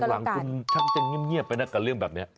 หลังจะเงียบเนื้อกันเรื่องแบบนี้